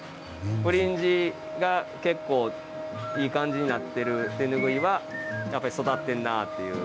フリンジが結構いい感じになっている手ぬぐいはやっぱり育ってるなっていう